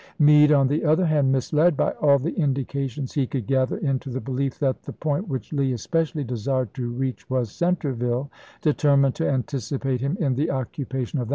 Meade, on the other hand, misled by all the indications he could gather into the belief that the point which Lee especially desired to reach was Centreville, determined to anticipate him in the occupation of that place, and Cooke, " Life of General Lee," p.